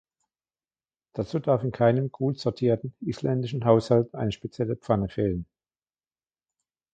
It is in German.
Dazu darf in keinem gut sortierten isländischen Haushalt eine spezielle Pfanne fehlen.